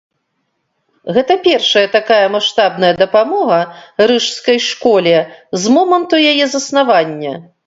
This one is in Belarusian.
Гэта першая такая маштабная дапамога рыжскай школе з моманту яе заснавання.